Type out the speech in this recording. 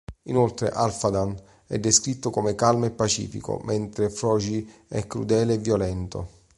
Inoltre Halfdan è descritto calmo e pacifico, mentre Fróði è crudele e violento.